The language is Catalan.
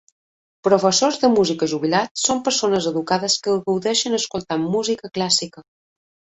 Professors de música jubilats, són persones educades que gaudeixen escoltant música clàssica.